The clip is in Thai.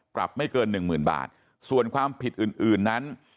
กลับไม่เกิน๑๐๐๐๐บาทส่วนความผิดอื่นนั้น